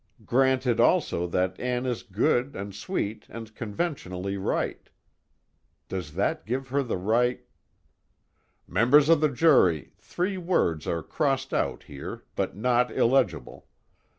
Granted also that Ann is good and sweet and conventionally right. Does that give her the right Members of the jury, three words are crossed out here, but not illegible.